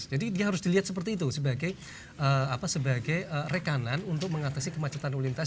jadi dia harus dilihat seperti itu sebagai rekanan untuk mengatasi kemacetan lalu lintas